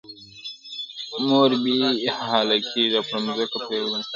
مور بې حاله کيږي او پر ځمکه پرېوځي ناڅاپه,